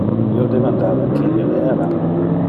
Io demandava qui ille era.